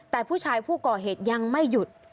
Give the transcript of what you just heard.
แต่ผู้ชายผู้ก่อเหตุยังไม่หยุด